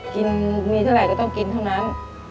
กินมีเท่าไหร่ก็ต้องกินเท่านั้น